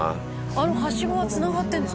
「あのハシゴはつながってるんですか？」